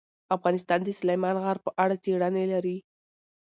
افغانستان د سلیمان غر په اړه څېړنې لري.